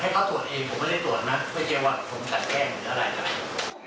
ให้เขาสวดเองผมไม่ใช่สวดน่ะเพราะว่าผมทำแก้เหมือนกัน